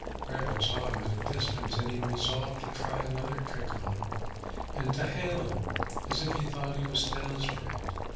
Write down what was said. Rabbit saw him at a distance, and he resolved to try another trick on him, and to hail him as if he thought he was still his friend.